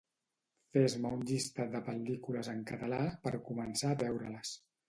Fes-me un llistat de pel·lícules en català per començar a veure-les